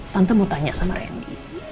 tante mau tanya sama randy